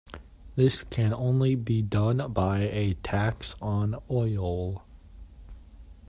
This can be done by a tax on oil.